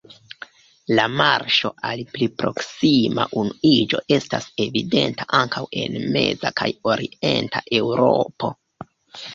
La marŝo al pli proksima unuiĝo estas evidenta ankaŭ en meza kaj orienta Eŭropo.